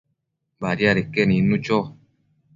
Badiadeque nidnu cho